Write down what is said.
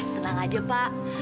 tenang aja pak